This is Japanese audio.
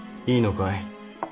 いいのかい？